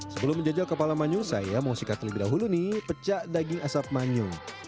sebelum menjajal kepala manyung saya mau sikat terlebih dahulu nih pecah daging asap manyu